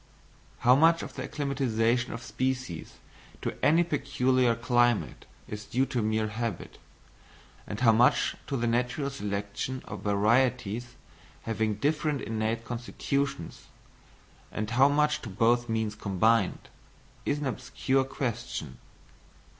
How much of the acclimatisation of species to any peculiar climate is due to mere habit, and how much to the natural selection of varieties having different innate constitutions, and how much to both means combined, is an obscure question.